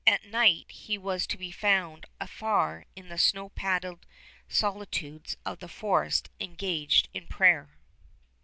At night he was to be found afar in the snow padded solitudes of the forest engaged in prayer.